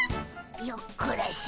よっこらしょ。